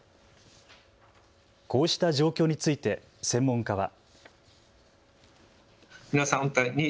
こうした状況について専門家は。